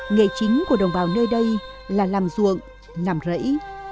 nghệ chính của đồng bào nơi đây là làm ruộng làm rẫy